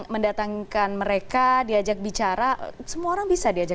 mendatangkan mereka diajak bicara semua orang bisa diajak